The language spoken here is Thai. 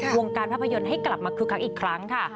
วงการภาพยนตร์ให้กลับมาคึกคักอีกครั้งค่ะ